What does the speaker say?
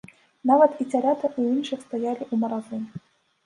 Нават і цяляты ў іншых стаялі ў маразы.